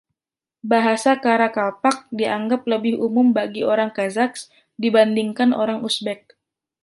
Bahasa Karakalpak dianggap lebih umum bagi orang Kazakh dibandingkan orang Uzbek.